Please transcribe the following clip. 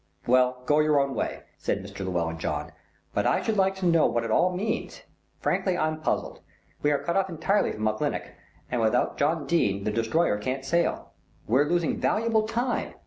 "Well, go your own way," said Mr. Llewellyn John; "but I should like to know what it all means. Frankly I'm puzzled. We are cut off entirely from Auchinlech, and without John Dene the Destroyer can't sail. We're losing valuable time.